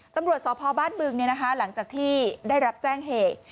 ตำรวจสภาพบ้าดบึงเนี่ยนะคะหลังจากที่ได้รับแจ้งเหตุ